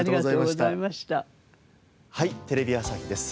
『はい！テレビ朝日です』